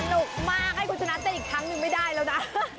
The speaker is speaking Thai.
สนุกมากให้คุณชนะใจอีกครั้งหนึ่งไม่ได้แล้วนะ